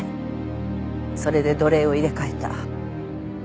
それで土鈴を入れ替えた。